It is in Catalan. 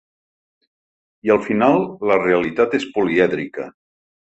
I al final la realitat és polièdrica.